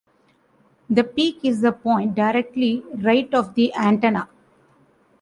The peak is the point directly right of the antenna.